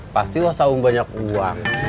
pasti wasaham banyak uang